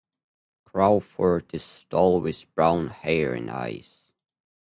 Crawford is tall with brown hair and eyes.